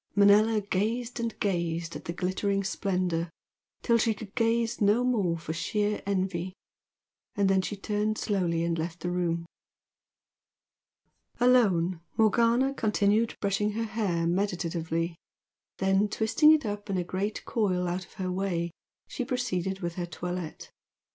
Manella gazed and gazed at the glittering splendour till she could gaze no more for sheer envy, and then she turned slowly and left the room. Alone, Morgana continued brushing her hair meditatively, then, twisting it up in a great coil out of her way, she proceeded with her toilette.